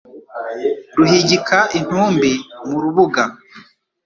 Ruhingika intumbi mu rubuga